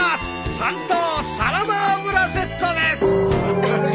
３等サラダ油セットです！